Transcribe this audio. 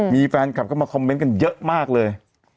มีแฟนคลับเข้ามาคอมเมนต์กันเยอะมากเลย